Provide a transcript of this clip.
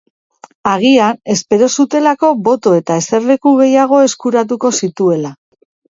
Agian, espero zutelako boto eta eserleku gehiago eskuratuko zituela.